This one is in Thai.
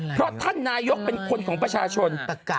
เพราะท่านนายกเป็นคนของประชาชน